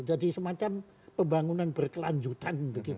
jadi semacam pembangunan berkelanjutan